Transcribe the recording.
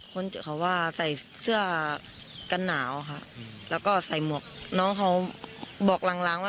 คนเจอเขาว่าใส่เสื้อกันหนาวค่ะแล้วก็ใส่หมวกน้องเขาบอกล้างว่า